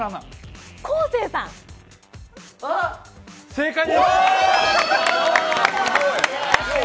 正解です！